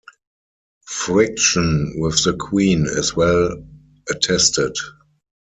Friction with the Queen is well attested.